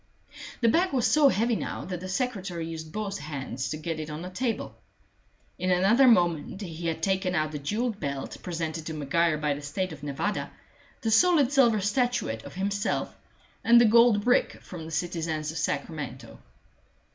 The bag was so heavy now that the secretary used both hands to get it on the table. In another moment he had taken out the jewelled belt presented to Maguire by the State of Nevada, the solid silver statuette of himself, and the gold brick from the citizens of Sacramento.